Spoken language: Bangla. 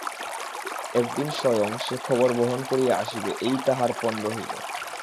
একদিন স্বয়ং সে খবর বহন করিয়া আসিবে এই তাহার পণ রহিল।